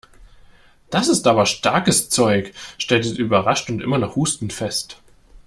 Das ist aber starkes Zeug!, stellte sie überrascht und immer noch hustend fest.